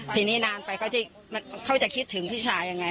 ทีนี้นานไปเขาจะคิดถึงพี่ชายยังไง